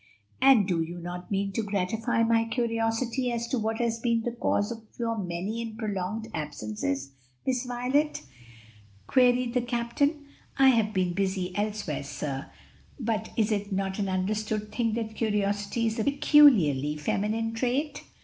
"And do you not mean to gratify my curiosity as to what has been the cause of your many and prolonged absences, Miss Violet?" queried the captain. "I have been busy elsewhere, sir. But is it not an understood thing that curiosity is a peculiarly feminine trait?"